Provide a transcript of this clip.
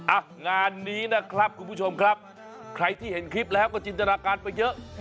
อ่ะงานนี้นะครับคุณผู้ชมครับใครที่เห็นคลิปแล้วก็จินตนาการไปเยอะ